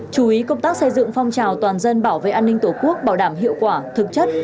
chú ý công tác xây dựng phong trào toàn dân bảo vệ an ninh tổ quốc bảo đảm hiệu quả thực chất